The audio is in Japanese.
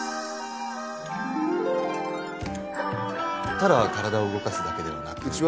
ただ体を動かすだけではなく。